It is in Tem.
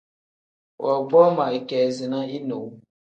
Woogboo ma ikeezina inewu.